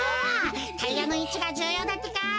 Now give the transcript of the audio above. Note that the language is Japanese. タイヤのいちがじゅうようだってか！